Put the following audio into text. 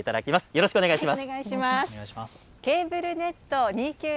よろしくお願いします。